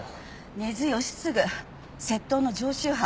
根津吉次窃盗の常習犯。